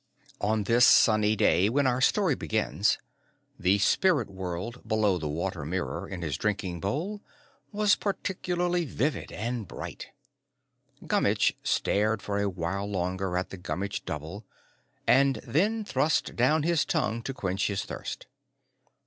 On this sunny day when our story begins, the spirit world below the water mirror in his drinking bowl was particularly vivid and bright. Gummitch stared for a while longer at the Gummitch Double and then thrust down his tongue to quench his thirst.